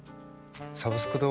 「サブスク堂」